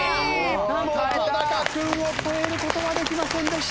本君を超える事はできませんでした。